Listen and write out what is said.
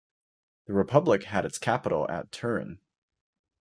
The republic had its capital at Turin.